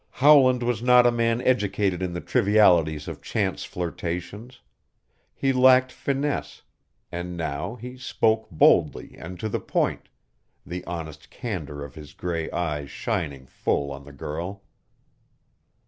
Howland was not a man educated in the trivialities of chance flirtations. He lacked finesse, and now he spoke boldly and to the point, the honest candor of his gray eyes shining full on the girl.